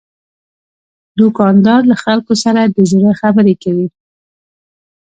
دوکاندار له خلکو سره د زړه خبرې کوي.